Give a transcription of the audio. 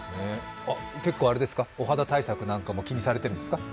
結構、お肌対策なんかも気にされているんですか。